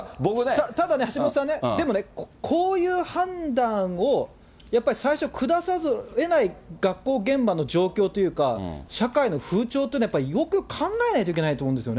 ただ橋下さんね、こういう判断を、やっぱり最初、下さざるをえない学校現場の状況というか、社会の風潮っていうのは、よく考えなきゃいけないと思うんですよね。